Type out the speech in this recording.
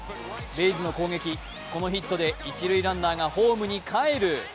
レイズの攻撃、このヒットで一塁ランナーがホームに帰る。